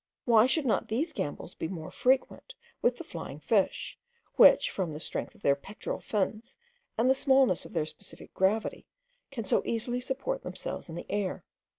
Why should not these gambols be more frequent with the flying fish, which from the strength of their pectoral fins, and the smallness of their specific gravity, can so easily support themselves in the air?